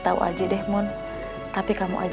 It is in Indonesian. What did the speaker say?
jangan silahkan botoabob